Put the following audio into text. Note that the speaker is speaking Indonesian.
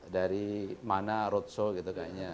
dari mana roadshow gitu kayaknya